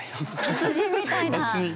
達人みたいな！